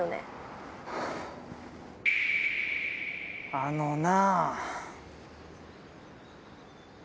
あのな。